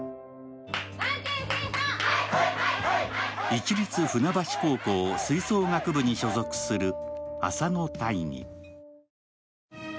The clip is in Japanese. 市立船橋高校吹奏楽部に所属する浅野大義。